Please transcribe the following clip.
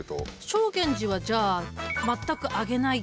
正源司はじゃあ全く上げない。